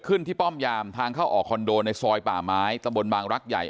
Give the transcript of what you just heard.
ที่ป้อมยามทางเข้าออกคอนโดในซอยป่าไม้ตำบลบางรักใหญ่